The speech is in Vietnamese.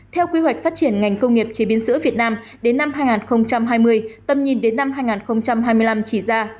theo quy hoạch phát triển ngành công nghiệp chế biến sữa việt nam đến năm hai nghìn hai mươi tầm nhìn đến năm hai nghìn hai mươi năm chỉ ra